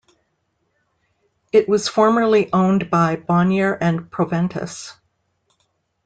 It was formerly owned by Bonnier and Proventus.